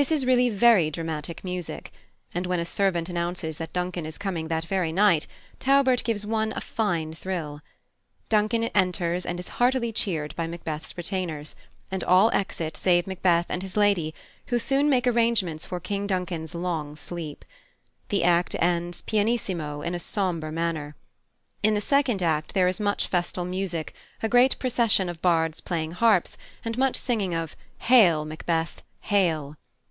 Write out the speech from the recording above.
This is really very dramatic music; and when a servant announces that Duncan is coming that very night, Taubert gives one a fine thrill. Duncan enters and is heartily cheered by Macbeth's retainers, and all exit save Macbeth and his lady, who soon make arrangements for King Duncan's long sleep. The act ends pianissimo in a sombre manner. In the second act there is much festal music, a great procession of bards playing harps, and much singing of "Hail, Macbeth, hail!"